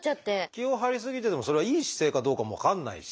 気を張り過ぎててもそれはいい姿勢かどうかも分かんないし。